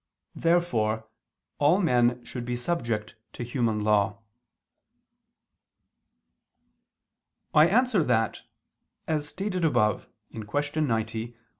Therefore all men should be subject to human law. I answer that, As stated above (Q. 90, AA.